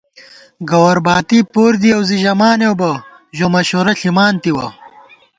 گوَر باتی پُر دِیَؤ زی ژمانېؤ بہ، ژو مشوَرہ ݪِمان تِوَہ